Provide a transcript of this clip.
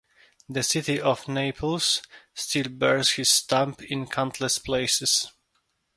The city of Naples still bears his stamp in countless places.